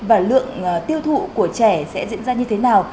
và lượng tiêu thụ của trẻ sẽ diễn ra như thế nào